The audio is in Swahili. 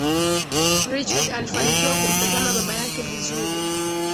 richard alifanikiwa kumtazama baba yake vizuri